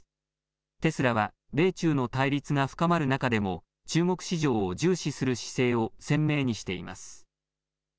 テスラは、米中の対立が深まる中でも中国市場を重視する姿勢を鮮明にしています。